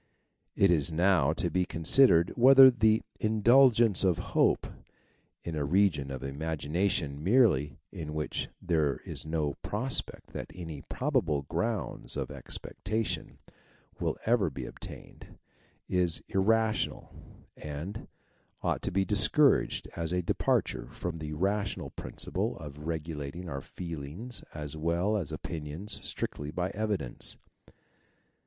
It is now to be considered whether the indulgence of hope, in a region of imagination merely, in which there is no prospect that any probable grounds of expectation will ever be obtained, is irrational, and ought to be discouraged as a departure from the rational principle of regulating our feelings as well as opinions strictly by evidence.